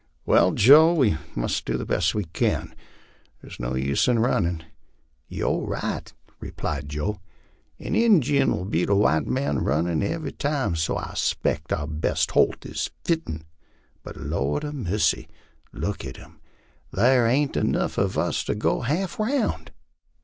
" Well, Joe, we must do the best we can ; there is no use in running." " You're right," replied Joe ;" an Injun '11 beat a white man runnin' every time, so I 'spect our best holt is fitin', but, Lor' a' mercy! look *it 'em ; thai* aiirt enuff uv us to go half round